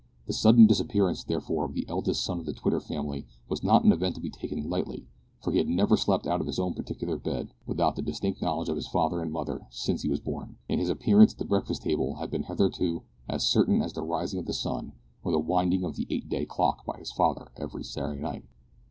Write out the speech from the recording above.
The sudden disappearance, therefore, of the eldest son of the Twitter family was not an event to be taken lightly for he had never slept out of his own particular bed without the distinct knowledge of his father and mother since he was born, and his appearance at the breakfast table had been hitherto as certain as the rising of the sun or the winding of the eight day clock by his father every Saturday night.